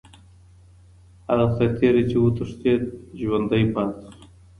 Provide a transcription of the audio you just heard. هغه سرتیری چي وتښتید ژوندی پاتې سو.